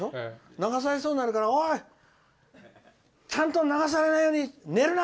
流されそうになるからちゃんと流されないように寝るな！